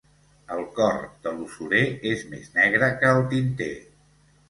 El cor de l'usurer és més negre que el tinter.